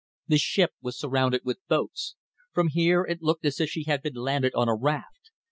The ship was surrounded with boats. From here it looked as if she had been landed on a raft.